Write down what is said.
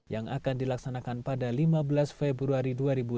yang akan dilaksanakan pada lima belas februari dua ribu dua puluh